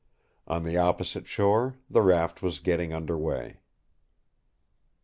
On the opposite shore the raft was getting under way.